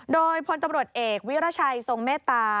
โดยพลตำรวจเอกวิรัชัยทรงเมตตา